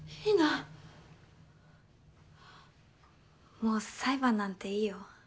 もう裁判なんていいよ。